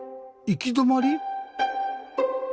行き止まり？